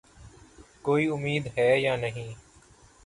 کوئی امید ہے یا نہیں ؟